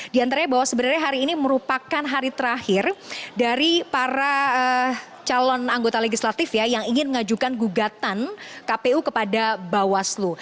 di antaranya bahwa sebenarnya hari ini merupakan hari terakhir dari para calon anggota legislatif yang ingin mengajukan gugatan kpu kepada bawaslu